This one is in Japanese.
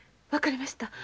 分かりました。